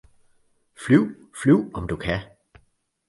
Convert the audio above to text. flyv, flyv, om du kan!